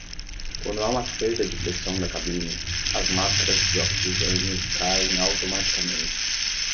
Quando há uma perda de pressão da cabine, as máscaras de oxigênio caem automaticamente.